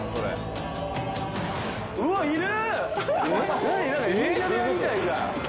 うわいる！